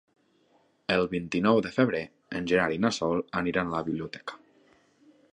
El vint-i-nou de febrer en Gerard i na Sol aniran a la biblioteca.